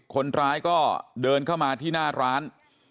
คนร้ายก็เดินเข้ามาที่หน้าร้าน